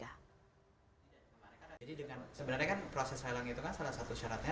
sebenarnya kan proses relang itu kan salah satu syaratnya